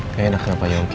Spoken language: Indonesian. nggak enak pak yongki